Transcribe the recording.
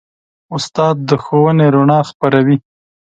استاد د ښوونې رڼا خپروي.